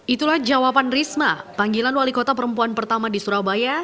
itulah jawaban risma panggilan wali kota perempuan pertama di surabaya